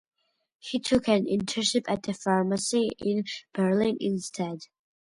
He took an internship at a pharmacy in Berlin instead.